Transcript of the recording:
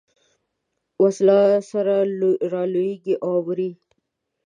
وسلو سره رالویېږي او مري.